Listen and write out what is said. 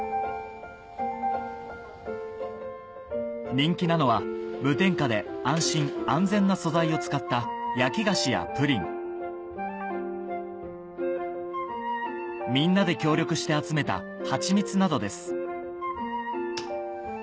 人気なのは無添加で安心安全な素材を使った焼き菓子やプリンみんなで協力して集めた蜂蜜などです